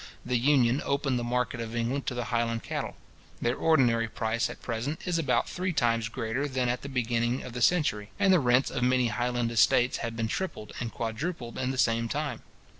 The Union opened the market of England to the Highland cattle. Their ordinary price, at present, is about three times greater than at the beginning of the century, and the rents of many Highland estates have been tripled and quadrupled in the same time.